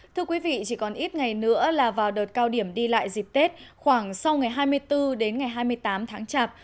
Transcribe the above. thưa quý vị chỉ còn ít ngày nữa là vào đợt cao điểm đi lại dịp tết khoảng sau ngày hai mươi bốn đến ngày hai mươi tám tháng chạp